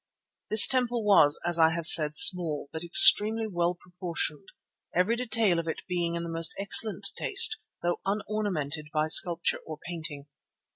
This temple was, as I have said, small, but extremely well proportioned, every detail of it being in the most excellent taste though unornamented by sculpture or painting.